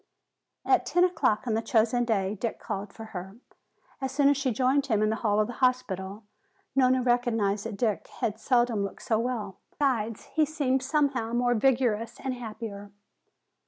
At ten o'clock on the chosen day Dick called for her. As soon as she joined him in the hall of the hospital, Nona recognized that Dick had seldom looked so well. Besides, he seemed somehow more vigorous and happier.